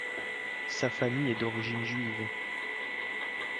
Sa famille est d'origine juive.